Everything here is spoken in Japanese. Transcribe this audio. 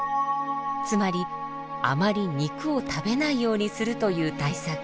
つまりあまり肉を食べないようにするという対策。